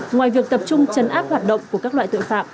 ngoài việc tập trung chấn áp hoạt động của các loại tội phạm